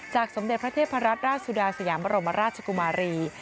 สมเด็จพระเทพรัตนราชสุดาสยามบรมราชกุมารี